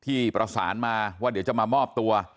ที่ประสานมาว่าเดี๋ยวจะมามอบตัว